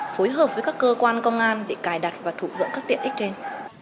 phối hợp với các cơ quan công an để cài đặt và thụ hưởng các tiện ích trên